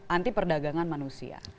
anti perdagangan manusia